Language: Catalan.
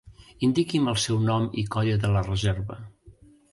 Indiqui'm el seu nom i codi de la reserva.